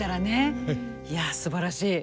いやすばらしい。